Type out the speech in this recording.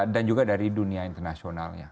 dan juga dari dunia internasionalnya